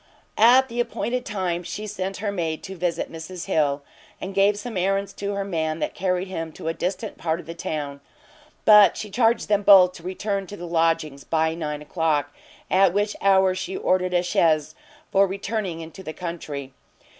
At the appointed time she sent her maid to visit Mrs Hill, and gave some errands to her man that carried him to a distant part of the town: but she charged them both to return to the lodgings by nine o'clock, at which hour she ordered a chaise for returning into the country.